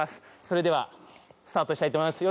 それではスタートしたいと思います。